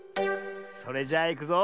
それじゃあいくぞ。